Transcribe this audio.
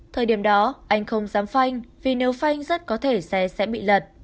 thời điểm đó anh không dám phanh vì nếu phanh rất có thể xe sẽ bị lật